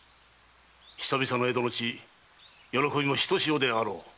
久々の江戸の地喜びもひとしおであろう。